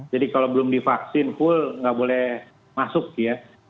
jadi kalau belum divaksin full gak boleh masuk ya